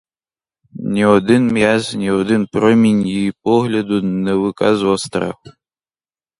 Ні один м'яз, ні один промінь її погляду не виказував страху.